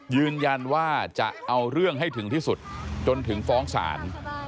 ยืนยันว่าจะเอาเรื่องให้ถึงที่สุดจนถึงฟ้องศาล